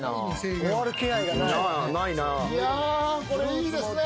いいですね。